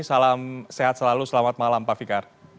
salam sehat selalu selamat malam pak fikar